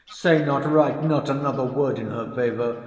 say not, write not another word in her favour!